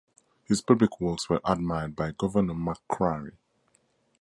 His public works were admired by Governor Macquarie.